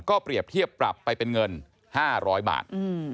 เปรียบเทียบปรับไปเป็นเงิน๕๐๐บาท